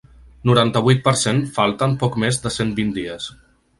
Noranta-vuit per cent Falten poc més de cent vint dies.